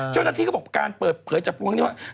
เจ้าหน้าที่ก็บอกการเปิดเผยจับกลุ่มนี้ว่า